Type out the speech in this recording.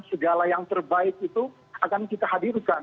segala yang terbaik itu akan kita hadirkan